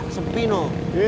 jalannya jam empat subuh